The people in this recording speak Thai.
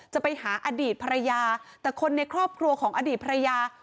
จะไปหาอดีตภรรยาแต่คนในครอบครัวของอดีตภรรยา